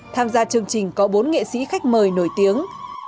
tham gia chương trình có bốn nghệ sĩ khách mời nổi tiếng